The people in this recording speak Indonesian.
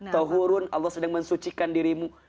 tauhurun allah sedang mensucikan dirimu